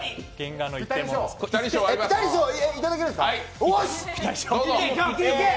ピタリ賞いただけるんですか？